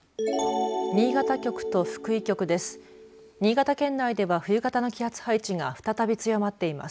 新潟局と福井局です。